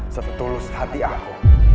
sepetulus hati aku